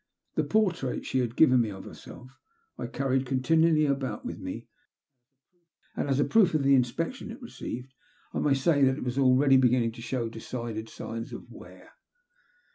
The portrait she had given me of herself I carried continually about with me; and, as a proof of the inspection it received, I may say that it was already beginning to show decided signs of wear.